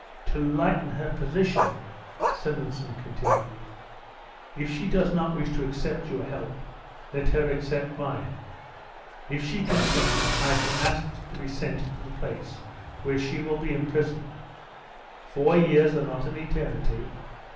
" To lighten her position," Simonson continued. "If she does not wish to accept your help, let her accept mine. If she consents, I shall ask to be sent to the place where she will be imprisoned. Four years are not an eternity.